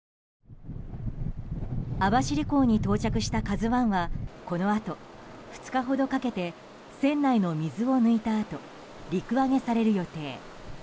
網走港に到着した「ＫＡＺＵ１」はこのあと２日ほどかけて船内の水を抜いたあと陸揚げされる予定。